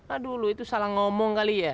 aduh lu itu salah ngomong kali ya